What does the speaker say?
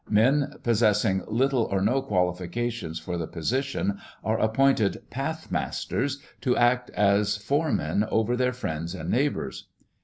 Men possessing little or no qualifications for the position are appointed pathmasters to act as foremen over their friends and neighbours.